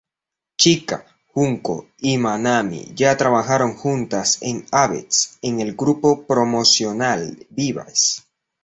Chika, Junko y Manami ya trabajaron juntas en "Avex" en el grupo promocional "Vivace".